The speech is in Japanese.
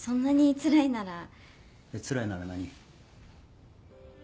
つらいなら何？